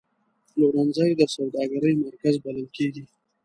پلورنځی د سوداګرۍ مرکز بلل کېږي.